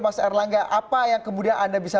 mas erlangga apa yang kemudian anda bisa